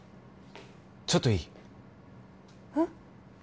ちょっといい？えっ？